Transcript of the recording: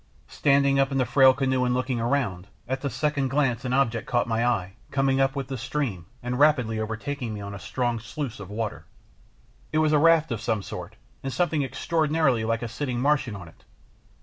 Standing up in the frail canoe and looking around, at the second glance an object caught my eye coming with the stream, and rapidly overtaking me on a strong sluice of water. It was a raft of some sort, and something extra ordinarily like a sitting Martian on it!